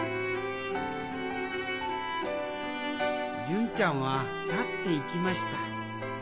純ちゃんは去っていきました。